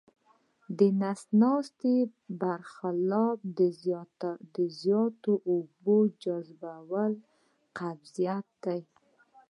د نس ناستي پر خلاف د زیاتو اوبو جذبول قبضیت دی.